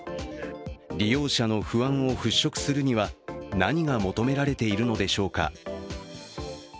利用者の不安をふっしょくするには何が求められているのでしょうか。